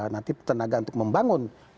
nanti tenaga untuk membangun